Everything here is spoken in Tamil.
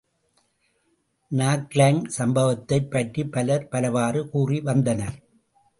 நாக்லாங் சம்பவத்தைப் பற்றிப் பலர் பலவாறு கூறி வந்தனர்.